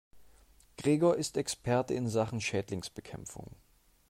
Gregor ist Experte in Sachen Schädlingsbekämpfung.